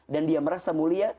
dan dia merasa mulia